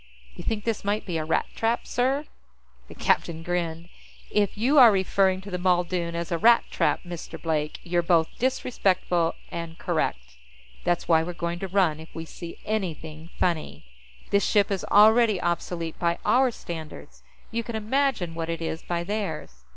"You think this might be a Rat trap, sir?" The captain grinned. "If you are referring to the Muldoon as a rat trap, Mr. Blake, you're both disrespectful and correct. That's why we're going to run if we see anything funny. This ship is already obsolete by our standards; you can imagine what it is by theirs."